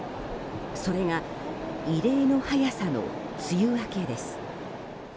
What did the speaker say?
それが異例の早さの梅雨明けです。